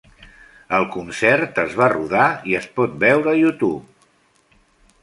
El concert es va rodar i es pot veure a YouTube.